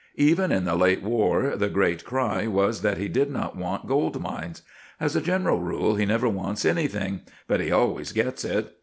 Even in the late war the great cry was that he did not want gold mines. As a general rule he never wants anything; but he always gets it.